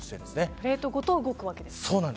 プレートごと動くんですね。